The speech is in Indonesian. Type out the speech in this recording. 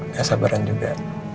gak sabaran juga